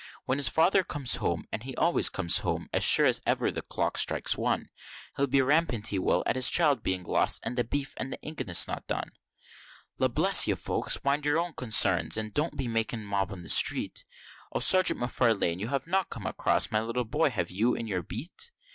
When his father comes home, and he always comes home as sure as ever the clock strikes one, He'll be rampant, he will, at his child being lost; and the beef and the inguns not done! La bless you, good folks, mind your own consarns, and don't be making a mob in the street; O Sergeant M'Farlane! you have not come across my poor little boy, have you, in your beat?